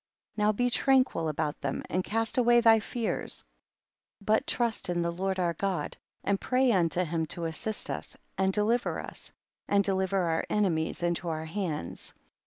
56. Now be tranquil about them and cast away thy fears, but trust in the Lord our God, and pray unto him to assist us and deliver us, and deli ver our enemies into our hands.